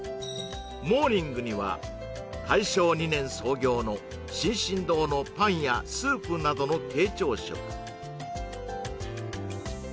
モーニングには大正２年創業の進々堂のパンやスープなどの軽朝食